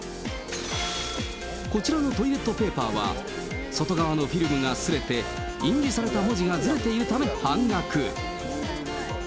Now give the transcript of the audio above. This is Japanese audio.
こちらのトイレットペーパーは、外側のフィルムがすれて、印字された文字がずれているため半額。